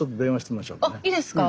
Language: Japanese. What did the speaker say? あっいいですか。